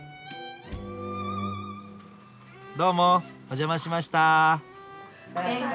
どうもお邪魔しました。